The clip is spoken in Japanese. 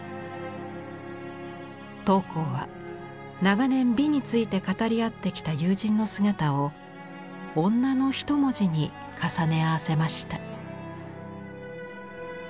桃紅は長年美について語り合ってきた友人の姿を「女」の一文字に重ね合わせました。